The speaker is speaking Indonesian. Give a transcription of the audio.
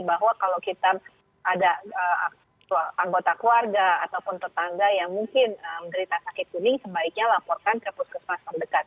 bahwa kalau kita ada anggota keluarga ataupun tetangga yang mungkin menderita sakit kuning sebaiknya laporkan ke puskesmas terdekat